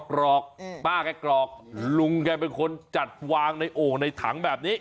กรอกป้าแกกรอกลุงแกเป็นคนจัดวางในโอ่งในถังแบบนี้